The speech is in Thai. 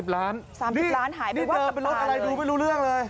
๓๐ล้านเป็นรถอะไรดูไม่รู้เรื่องเลย